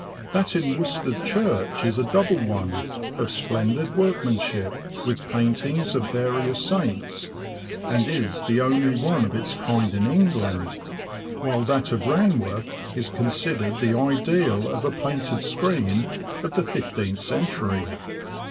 That in Worstead Church is a double one, of splendid work manship, with paintings of various saints, and is the LOWESTOFT TO NORWICH. 67 only one of its kind in England; while that of Ran worth is considered the ideal of a painted screen of the fifteenth century.